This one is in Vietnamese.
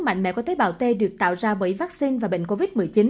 mạnh mẽ của tế bào t được tạo ra bởi vaccine và bệnh covid một mươi chín